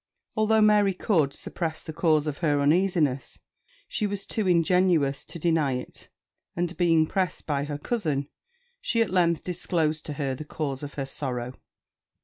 Although Mary could, suppress the cause of her uneasiness, she was too ingenuous to deny it; and, being pressed by her cousin, she at length disclosed to her the cause of her sorrow.